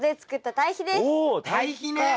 堆肥ね。